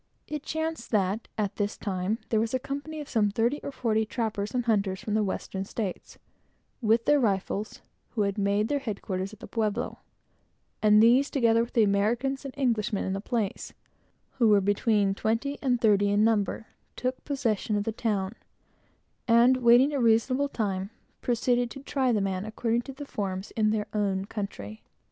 It chanced that, at this time, there was a company of forty trappers and hunters from Kentucky, with their rifles, who had made their head quarters at the Pueblo; and these, together with the Americans and Englishmen in the place, who were between twenty and thirty in number, took possession of the town, and waiting a reasonable time, proceeded to try the man according to the forms in their own country.